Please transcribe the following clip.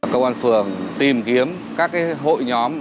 công an phường tìm kiếm các hội nhóm